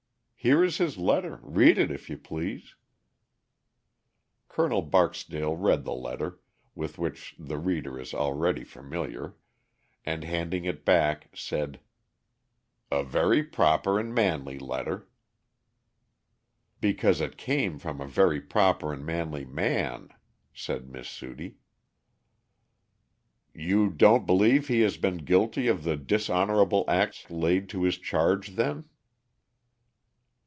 Here is his letter. Read it if you please." Col. Barksdale read the letter, with which the reader is already familiar, and, handing it back, said: "A very proper and manly letter." "Because it came from a very proper and manly man," said Miss Sudie. "You don't believe he has been guilty of the dishonorable acts laid to his charge, then?"